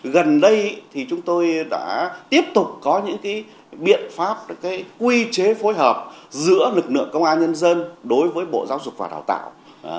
gần đây thì chúng tôi đã tiếp tục có những biện pháp quy chế phối hợp giữa lực lượng công an nhân dân đối với bộ giáo dục và đào tạo